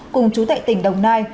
cùng chú tệ tỉnh đồng nai